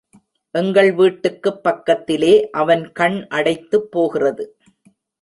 எங்கள் வீட்டுக்குப் பக்கத்திலே, அவன் கண் அடைத்துப் போகிறது.